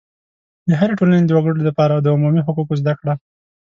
د هرې ټولنې د وګړو دپاره د عمومي حقوقو زده کړه